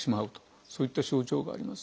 そういった症状があります。